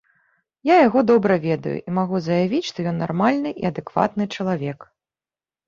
Я яго добра ведаю, і магу заявіць, што ён нармальны і адэкватны чалавек.